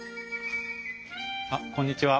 あっこんにちは。